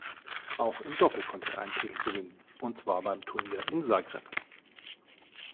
Auch im Doppel konnte er einen Titel gewinnen und zwar beim Turnier in Zagreb.